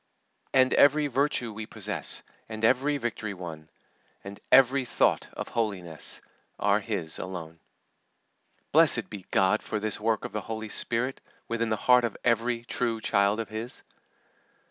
"And every virtue we possess, And every victory won, And every thought of holiness, Are His alone." Blessed be God for this work of the Holy Spirit within the heart of every true child of His!